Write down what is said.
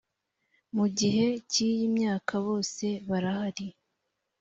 mu gihe cy ‘iyi myaka bose barahari.